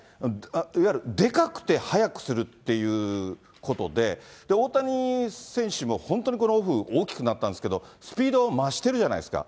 いわゆる、でかくて速くするっていうことで、大谷選手も、本当にこのオフ、大きくなったんですけど、スピードは増してるじゃないですか。